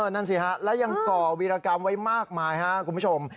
นั่นสิฮะแล้วยังก่อวีรกรรมไว้มากมายครับคุณผู้ชม